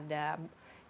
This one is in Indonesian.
ada yang mutlak